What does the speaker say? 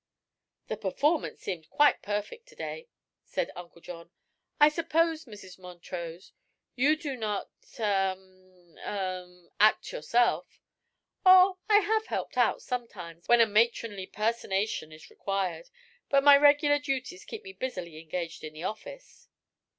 "The performance seemed quite perfect to day," said Uncle John. "I suppose, Mrs. Montrose, you do not er er act, yourself?" "Oh. I have helped out, sometimes, when a matronly personation is required, but my regular duties keep me busily engaged in the office."